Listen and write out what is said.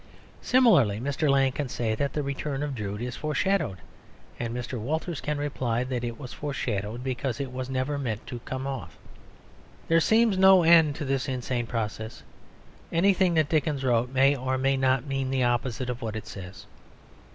Similarly Mr. Lang can say that the return of Drood is foreshadowed; and Mr. Walters can reply that it was foreshadowed because it was never meant to come off. There seems no end to this insane process; anything that Dickens wrote may or may not mean the opposite of what it says.